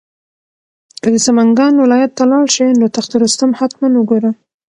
که د سمنګان ولایت ته لاړ شې نو تخت رستم حتماً وګوره.